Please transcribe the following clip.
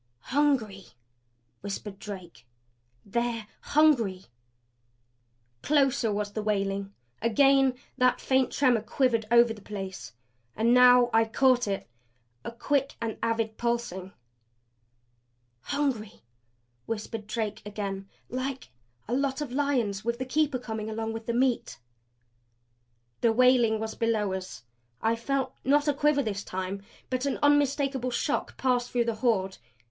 "Hungry!" whispered Drake. "They're HUNGRY!" Closer was the wailing; again that faint tremor quivered over the place. And now I caught it a quick and avid pulsing. "Hungry," whispered Drake again. "Like a lot of lions with the keeper coming along with meat." The wailing was below us. I felt, not a quiver this time, but an unmistakable shock pass through the Horde.